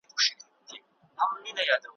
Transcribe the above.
حبطه یې د فېشن ټوله خواري سي `